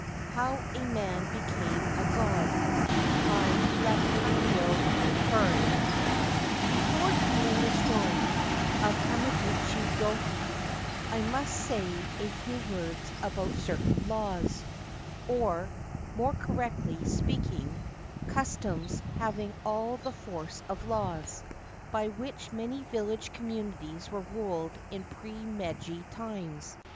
HOW A MAN BECAME A GOD BY LAFCADIO HEARN Before telling the story of Hamaguchi Gohei, I must say a few words about certain laws — or, more correctly speaking, customs having all the force of laws — by which many village communities were ruled in pre Meiji times.